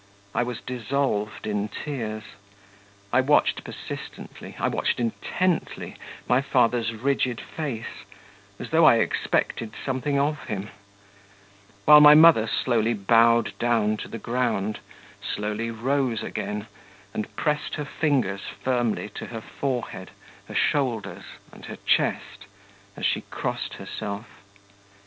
I was dissolved in tears; I watched persistently, I watched intently, my father's rigid face, as though I expected something of him; while my mother slowly bowed down to the ground, slowly rose again, and pressed her fingers firmly to her forehead, her shoulders, and her chest, as she crossed herself.